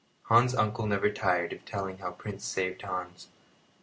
Hans's uncle never tired of telling how Prince saved Hans.